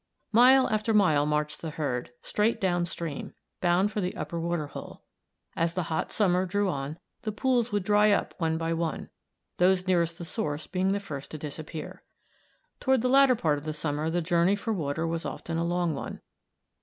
Mile after mile marched the herd, straight down stream, bound for the upper water hole. As the hot summer drew on, the pools would dry up one by one, those nearest the source being the first to disappear. Toward the latter part of summer, the journey for water was often a long one.